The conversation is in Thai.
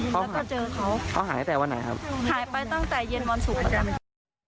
แล้วก็เจอเขาเขาหายตั้งแต่วันไหนครับหายไปตั้งแต่เย็นวันศุกร์ประจำวัน